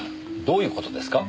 どういう事ですか？